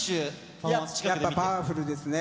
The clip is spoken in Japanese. パワフルですね。